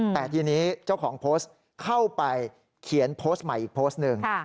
แต่ทีนี้เจ้าของโพสต์เข้าไปเขียนโพสต์ใหม่อีกโพสต์หนึ่ง